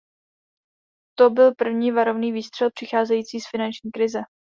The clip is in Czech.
To byl první varovný výstřel přicházející finanční krize.